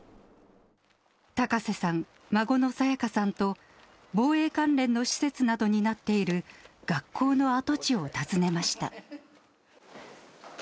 高瀬さん、孫のさやかさんと、防衛関連の施設などになっている学校の跡地を訪ねました。